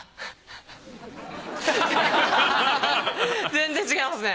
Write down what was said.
全然違いますね。